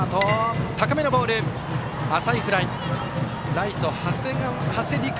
ライト、長谷陸翔。